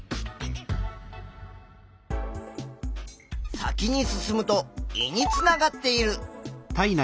先に進むと胃につながっている。